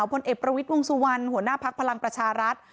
พลเอกประวิทย์วงสุวรรณหัวหน้าภักดิ์พลังประชารัฐ